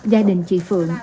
gia đình chị phượng